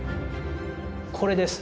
これです。